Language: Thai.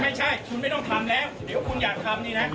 ไม่ใช่คุณไม่ต้องทำแล้วเดี๋ยวคุณอยากทำนี่นะ